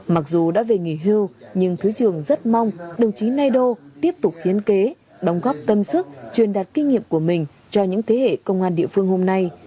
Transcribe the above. mặc dù đã về nghỉ hưu nhưng thứ trưởng rất mong đồng chí nai đô tiếp tục hiến kế đóng góp tâm sức truyền đặt kinh nghiệm của mình cho những thế hệ công an địa phương hôm nay